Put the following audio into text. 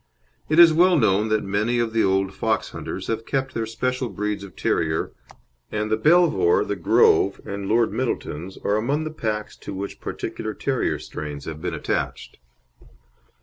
It is well known that many of the old fox hunters have kept their special breeds of terrier, and the Belvoir, the Grove, and Lord Middleton's are among the packs to which particular terrier strains have been attached.